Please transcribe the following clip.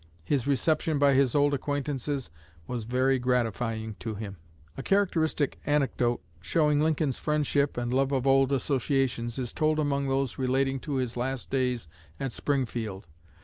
His reception by his old acquaintances was very gratifying to him." A characteristic anecdote showing Lincoln's friendship and love of old associations is told among those relating to his last days at Springfield.